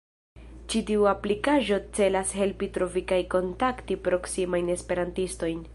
Ĉi tiu aplikaĵo celas helpi trovi kaj kontakti proksimajn esperantistojn.